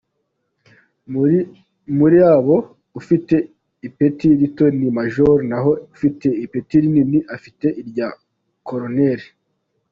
Muri bo ufite ipeti rito ni majoro naho ufite ipeti rinini afite irya Koloneli.